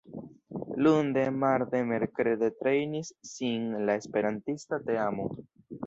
Lunde, marde, merkrede trejnis sin la esperantista teamo.